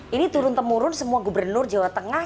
ini turun temurun semua gubernur jawa tengah